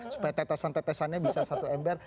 supaya tetesan tetesannya bisa satu ember